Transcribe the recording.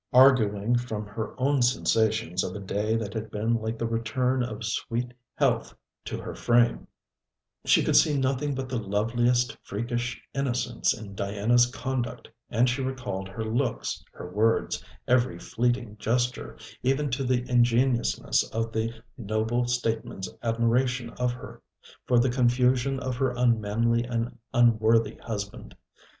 Arguing from her own sensations of a day that had been like the return of sweet health to her frame, she could see nothing but the loveliest freakish innocence in Diana's conduct, and she recalled her looks, her words, every fleeting gesture, even to the ingenuousness of the noble statesman's admiration of her, for the confusion of her unmanly and unworthy husband.